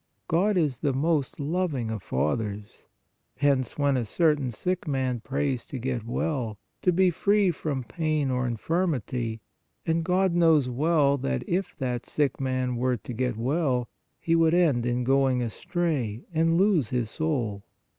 God is the most loving of fathers; hence when a certain sick man prays to get well, to be free from pain or infirmity, and God knows well that if that sick man were to get well, he would end in going astray and lose his soul.